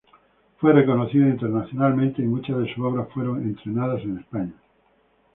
Fue reconocido internacionalmente y muchas de sus obras fueron estrenadas en España.